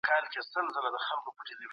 تېروتنې انسان ته ډېر څه ور زده کوي.